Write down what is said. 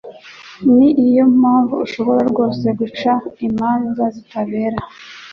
ni yo mpamvu ashobora rwose guca imanza zitabera,